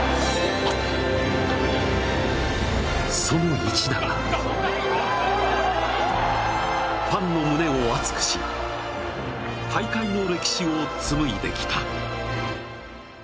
その一打が、ファンの胸を熱くし、大会の歴史を紡いできた。